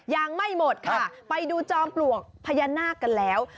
ยังไม่หมดค่ะไปดูจอมปลวกพญานาคกันแล้ว